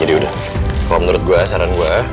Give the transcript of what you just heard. jadi udah kalo menurut gue saran gue